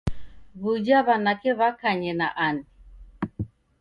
W'uja w'anake w'akanye na ani?